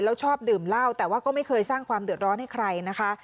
แล้วชอบดื่มเหล้าแต่ว่าก็ไม่เคยสร้างความเดือดร้อนให้ใครนะคะ